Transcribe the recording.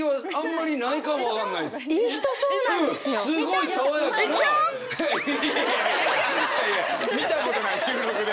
いやいやいやいや見たことない収録で。